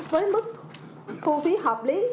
với mức thu phí hợp lý